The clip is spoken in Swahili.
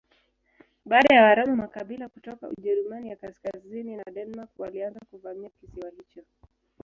Baada ya Waroma makabila kutoka Ujerumani ya kaskazini na Denmark walianza kuvamia kisiwa hicho.